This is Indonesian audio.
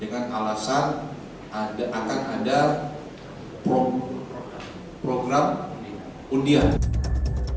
dengan alasan akan ada program undian